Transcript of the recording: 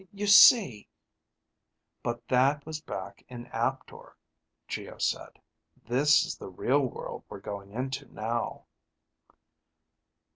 You see " "But that was back in Aptor," Geo said. "This is the real world we're going into now."